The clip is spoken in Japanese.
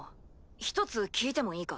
１つ聞いてもいいか？